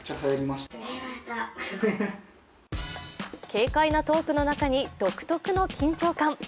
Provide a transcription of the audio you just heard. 軽快なトークの中に独特な緊張感。